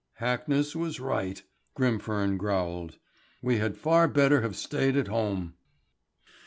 "Hackness was right," Grimfern growled. "We had far better have stayed at home."